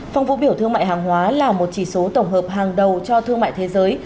phong phú biểu thương mại hàng hóa là một chỉ số tổng hợp hàng đầu cho thương mại thế giới